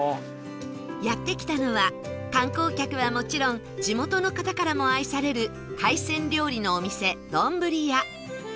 やって来たのは観光客はもちろん地元の方からも愛される海鮮料理のお店どんぶりや